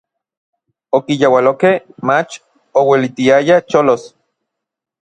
Okiyaualokej, mach ouelitiaya cholos.